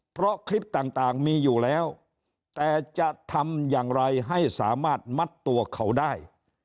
เพราะคลิปต่างมีอยู่แล้วแต่จะทำอย่างไรให้สามารถมัดตัวเขาได้